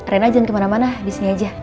rena jangan kemana mana di sini aja